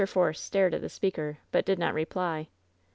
Force stared at the speaker, but did not reply.